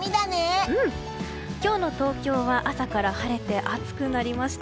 今日の東京は朝から晴れて暑くなりました。